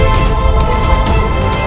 aku ingin menangkapmu